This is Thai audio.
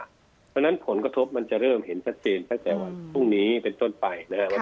เพราะฉะนั้นผลกระทบมันจะเริ่มเห็นชัดเจนตั้งแต่วันพรุ่งนี้เป็นต้นไปนะครับ